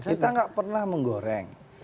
kita nggak pernah menggoreng